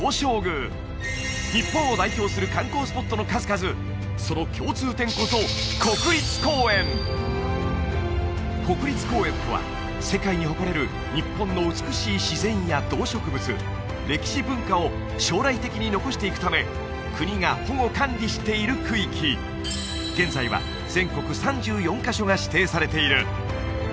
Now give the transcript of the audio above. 日本を代表する観光スポットの数々その共通点こそ国立公園とは世界に誇れる日本の美しい自然や動植物歴史文化を将来的に残していくため国が保護管理している区域現在は全国３４カ所が指定されている